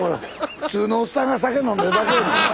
普通のおっさんが酒飲んでるだけ。